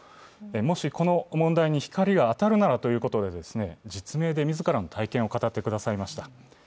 もしこの問題に光が当たるならということで実名で自らの体験を語ってくださいました。